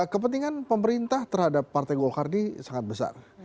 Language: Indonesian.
kepentingan pemerintah terhadap partai golkardi sangat besar